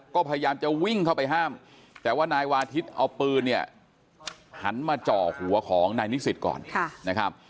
ก็พยายามจะวิ่งเข้าไปห้ามแต่ว่านายวาทิศเอาปืนเนี่ยหันมาเจาะหัวของนายนิสิตก่อนนะครับ